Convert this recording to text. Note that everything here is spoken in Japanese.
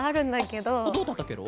どうだったケロ？